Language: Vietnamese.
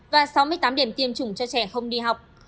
và sáu mươi tám điểm tiêm chủng cho trẻ không đi học